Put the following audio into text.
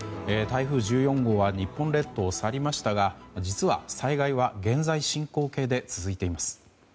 台風１４号は日本列島を去りましたが実は災害は現在進行形で続いています。